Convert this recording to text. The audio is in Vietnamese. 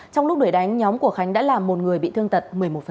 trong lúc đuổi đánh nhóm của khánh đã làm một người bị thương tật một mươi một